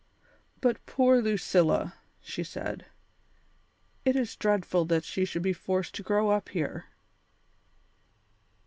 "But poor Lucilla!" she said. "It is dreadful that she should be forced to grow up here."